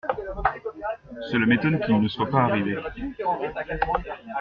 Cela m’étonne qu’il ne soit pas arrivé.